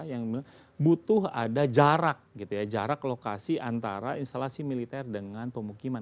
yang butuh ada jarak gitu ya jarak lokasi antara instalasi militer dengan pemukiman